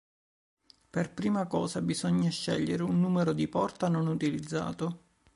Per prima cosa, bisogna scegliere un numero di porta non utilizzato.